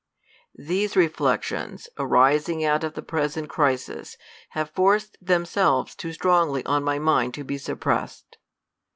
These re flections, arising out of the present crisis, have forced themselves too strongly on my mind to be suppressed.